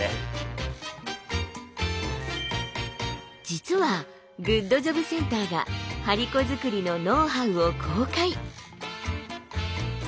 実はグッドジョブセンターが張り子作りのノウハウを公開。